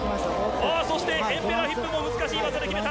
そしてエンペラーヒップも難しい技で決めた！